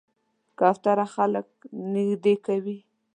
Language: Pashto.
کوتره خلک نږدې کوي.